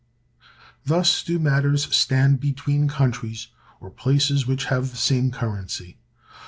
(275) Thus do matters stand between countries, or places which have the same currency.